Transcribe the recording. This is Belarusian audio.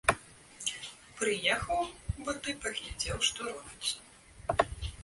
Прыехаў бы ты, паглядзеў, што робіцца.